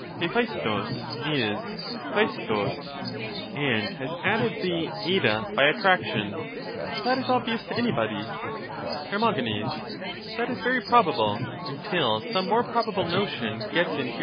"H0at(Troc is aiaror, and has added the 7/ by attrac tion ; that is obvious to anybody. Her. That is very probable, until some more probable notion gets into yoiu" head.